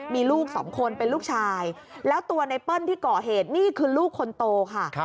มีลูกสองคนเป็นลูกชายแล้วตัวไนเปิ้ลที่ก่อเหตุนี่คือลูกคนโตค่ะ